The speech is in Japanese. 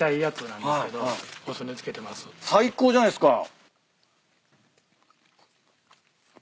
最高じゃないっすか。